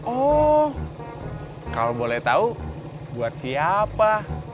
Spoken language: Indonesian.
oh kalau boleh tahu buat siapa